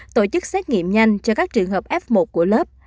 tổ chức xét nghiệm nhanh cho các trường hợp f một của lớp